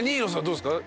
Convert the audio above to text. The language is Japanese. どうですか？